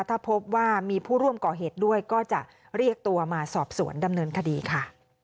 ถ้าพบว่ามีผู้ร่วมก่อเหตุด้วยก็จะเรียกตัวมาสอบสวนดำเนินคดีค่ะ